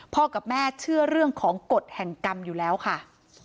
กับแม่เชื่อเรื่องของกฎแห่งกรรมอยู่แล้วค่ะ